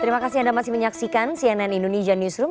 terima kasih anda masih menyaksikan cnn indonesia newsroom